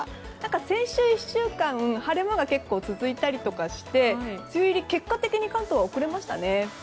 先週１週間晴れ間が結構続いたりとかして梅雨入り、結果的に関東は遅れましたね。